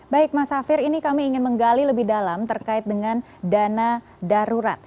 baik mas hafir ini kami ingin menggali lebih dalam terkait dengan dana darurat